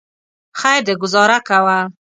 خیر دی ګوزاره کوه.